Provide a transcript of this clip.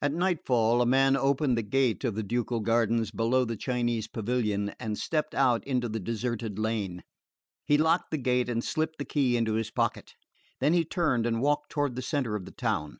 At nightfall a man opened the gate of the ducal gardens below the Chinese pavilion and stepped out into the deserted lane. He locked the gate and slipped the key into his pocket; then he turned and walked toward the centre of the town.